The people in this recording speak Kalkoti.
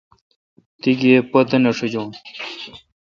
تی گیب پتہ نہ ݭاجون۔